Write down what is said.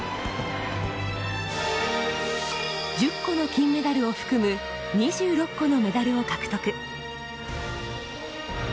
１０個の金メダルを含む２６個のメダルを獲得。